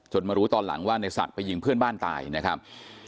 มารู้ตอนหลังว่าในศักดิ์ไปยิงเพื่อนบ้านตายนะครับ